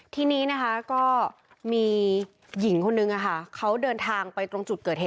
ทีนี้นะคะก็มีหญิงคนนึงเขาเดินทางไปตรงจุดเกิดเหตุ